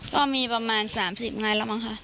ก็มีประมาณ๓๐งานแล้วมั้งค่ะ